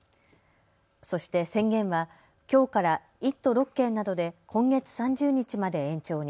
そして宣言はきょうから１都６県などで今月３０日まで延長に。